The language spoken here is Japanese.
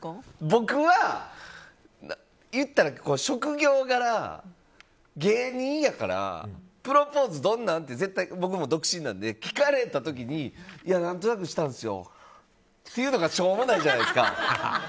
僕は言ったら職業柄、芸人やからプロポーズどんなん？って絶対、僕も独身なので聞かれた時に何となくしたんですよっていうのがしょうもないじゃないですか。